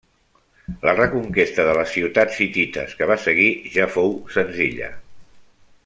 La reconquesta de les ciutats hitites que va seguir ja fou senzilla.